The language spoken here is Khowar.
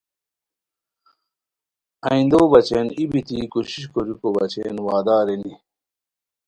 آئیندوبچین ای بیتی کوشش کوریکو بچین وعدہ ارینی